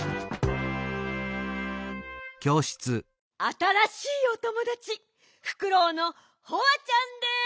あたらしいおともだちフクロウのホワちゃんです！